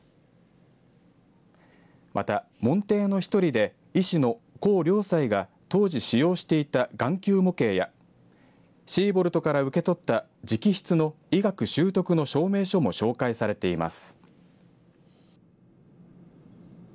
また、門弟の１人で医師の高良斎が当時使用していた眼球模型やシーボルトから受け取った直筆の医学習得の証明書も紹介されています。